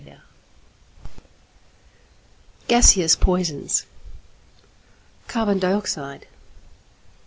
XXVII. GASEOUS POISONS =Carbon Dioxide.